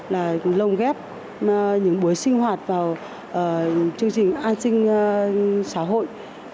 là lồng ghép những buổi sinh hoạt vào chương trình an sinh xã hội